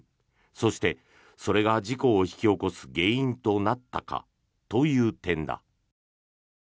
そして、それが事故を引き起こす原因となったかという点だ。